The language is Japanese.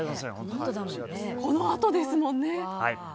このあとですもんね。